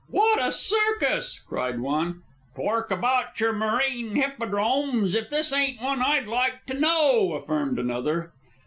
"Wot a circus!" cried one. "Tork about yer marine hippodromes, if this ain't one, I'd like to know!" affirmed another.